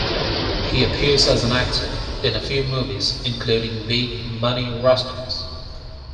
He appears as an actor in a few movies, including "Big Money Rustlas".